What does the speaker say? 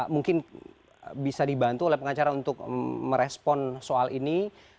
mungkin bisa dibantu oleh pengacara untuk merespon soal ini